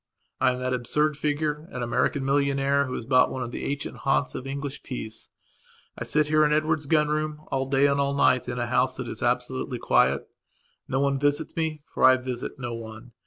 I am that absurd figure, an American millionaire, who has bought one of the ancient haunts of English peace. I sit here, in Edward's gun room, all day and all day in a house that is absolutely quiet. No one visits me, for I visit no one.